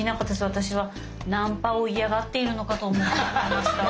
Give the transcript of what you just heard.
私はナンパを嫌がっているのかと思ってました。